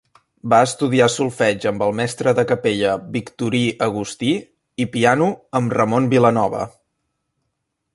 Va estudiar solfeig amb el mestre de capella Victorí Agustí i piano amb Ramon Vilanova.